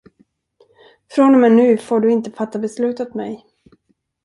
Från och med nu får du inte fatta beslut åt mig.